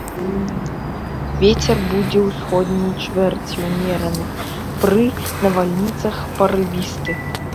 Вецер будзе ўсходняй чвэрці ўмераны, пры навальніцах парывісты.